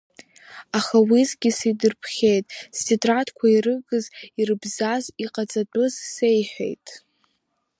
Аха уеизгьы сыдирԥхьеит стетрадқәа, ирыгыз, ирыбзаз, иҟаҵатәыз сеиҳәеит.